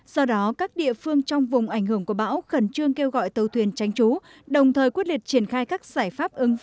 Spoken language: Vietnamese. do đó các địa phương trong vùng ảnh hưởng của bão khẩn trương kêu gọi tàu thuyền tránh chú